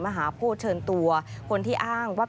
ไม่ได้อาการ